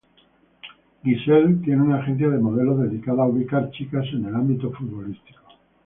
Giselle tiene una agencia de modelos dedicada a ubicar chicas en el ámbito futbolístico.